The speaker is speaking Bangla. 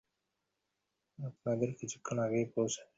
আপনাদের কিছুক্ষণ আগেই পৌছেছে।